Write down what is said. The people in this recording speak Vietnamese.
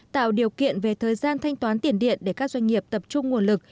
tạo điều kiện về thời gian thanh toán tiền điện để các doanh nghiệp tập trung nguồn lực